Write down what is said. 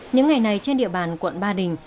những ngày này trên địa bàn quận ba đình